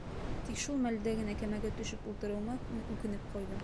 Тик шул мәлдә генә кәмәгә төшөп ултырыуыма үкенеп ҡуйҙым.